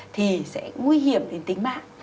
thì sẽ nguy hiểm đến tính mạng